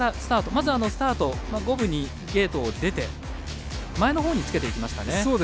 まずはスタート五分にゲートを出て前のほうにつけていきましたね。